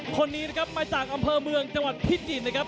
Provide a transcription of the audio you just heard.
คนนี้นะครับมาจากอำเภอเมืองจังหวัดพิจิตรนะครับ